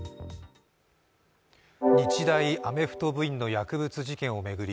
日大アメフト部員の薬物事件を巡り